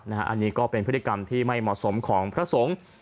อันนี้ก็เป็นพฤติกรรมที่ไม่เหมาะสมของพระสงฆ์